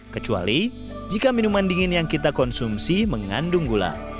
kecuali jika minuman dingin yang kita konsumsi mengandung gula